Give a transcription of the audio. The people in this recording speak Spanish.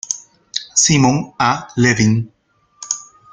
Simon A Levin.